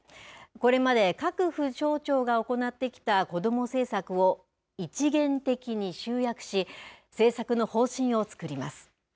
これまで各府省庁が行ってきた子ども政策を一元的に集約し、政策の方針を作ります。